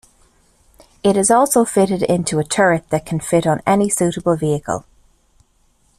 It is also fitted into a turret that can fit on any suitable vehicle.